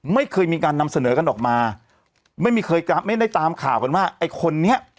ไม่เคยมีการนำเสนอกันออกมาไม่มีเคยไม่ได้ตามข่าวกันว่าไอ้คนนี้